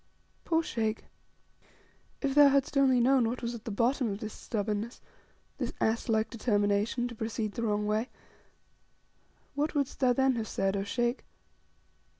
Poor Sheikh! if thou hadst only known what was at the bottom of this stubbornness this ass like determination to proceed the wrong way what wouldst thou then have said, 0 Sheikh?